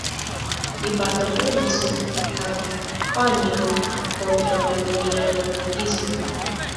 Li partoprenis sur kampanjon kontraŭ la domina romantikismo.